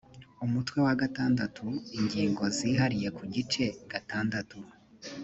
umutwe wagatandatu ingingo zihariye ku igice gatandatu